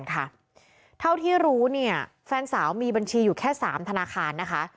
ที่ขอนแก่นค่ะเท่าที่รู้เนี่ยแฟนสาวมีบัญชีอยู่แค่สามธนาคารนะคะ